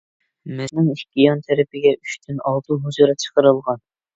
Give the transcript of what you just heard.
مەسچىتنىڭ ئىككى يان تەرىپىگە ئۈچتىن ئالتە ھۇجرا چىقىرىلغان.